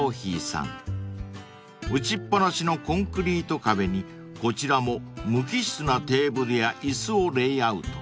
［打ちっ放しのコンクリート壁にこちらも無機質なテーブルや椅子をレイアウト］